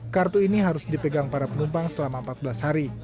kartu ini harus dipegang para penumpang selama empat belas hari